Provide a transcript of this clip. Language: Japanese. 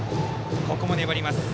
ここも粘ります。